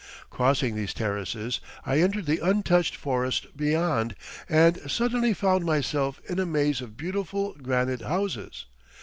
Crossing these terraces, I entered the untouched forest beyond, and suddenly found myself in a maze of beautiful granite houses!